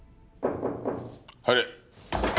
入れ。